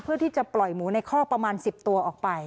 เพื่อที่จะปล่อยหมูในข้อประมาณ๑๐ตัวออกไป